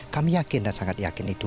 kami yakin dan sangat yakin itu